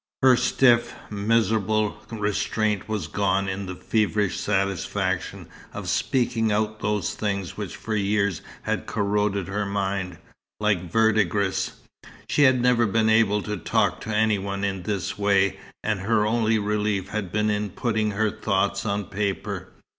Her stiff, miserable restraint was gone in the feverish satisfaction of speaking out those things which for years had corroded her mind, like verdigris. She had never been able to talk to anyone in this way, and her only relief had been in putting her thoughts on paper.